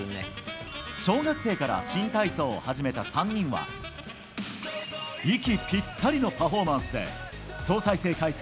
小学生から新体操を始めた３人は息ぴったりのパフォーマンスで総再生回数